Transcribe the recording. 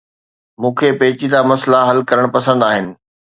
مون کي پيچيده مسئلا حل ڪرڻ پسند آهي